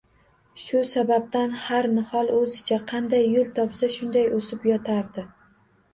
Shu sababdan har nihol, o'zicha — qanday yo'l topsa, shunday o'sib yotardi.